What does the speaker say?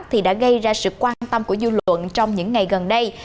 thì đã gây ra sự quan tâm của dư luận trong những ngày gần đây